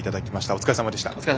お疲れさまでした。